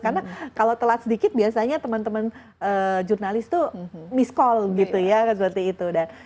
karena kalau telat sedikit biasanya teman teman jurnalis itu miss call gitu ya seperti itu